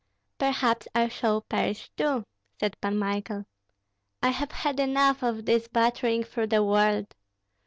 "Perhaps I shall perish too," said Pan Michael. "I have had enough of this battering through the world.